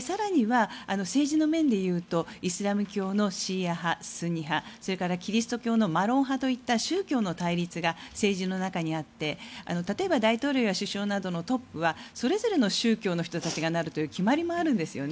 更には政治の面で言うとイスラム教のシーア派、スンニ派それからキリスト教のマロン派といった宗教の対立が政治の中にあって例えば大統領や首相などのトップはそれぞれの宗教の人たちがなるという決まりもあるんですよね。